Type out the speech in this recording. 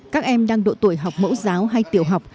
các em đang độ tuổi học mẫu giáo hay tiểu học